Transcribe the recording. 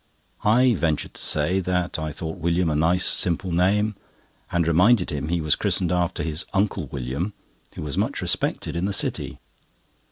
I ventured to say that I thought William a nice simple name, and reminded him he was christened after his Uncle William, who was much respected in the City.